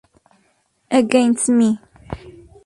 Against Me!!!